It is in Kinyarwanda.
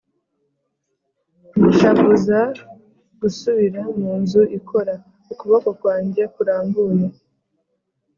nshavuza gusubira mu nzu ikora. ukuboko kwanjye kurambuye